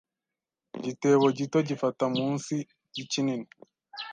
Igitebo gito gifata munsi yikinini. .